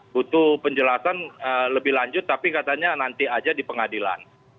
butuh penjelasan lebih lanjut tapi katanya nanti aja di pengadilan